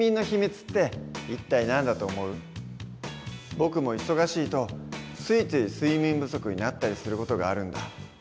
僕も忙しいとついつい睡眠不足になったりする事があるんだ。